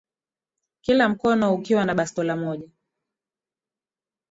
Kila mkono ukiwa na bastola moja